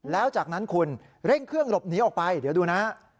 แล้วจากนั้นคุณเร่งเครื่องหลบหนีออกไปเดี๋ยวดูนะฮะ